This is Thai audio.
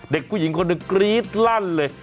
เด็กผู้หญิงคนหนึ่งกรี๊ดลั่นเลย